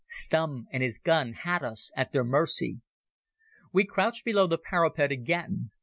Stumm and his gun had us at their mercy. We crouched below the parapet again.